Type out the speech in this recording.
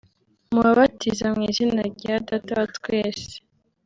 mubabatiza mu izina rya Data wa twese